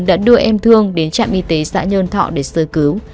đã đưa em thương đến trạm y tế xã nhơn thọ để sơ cứu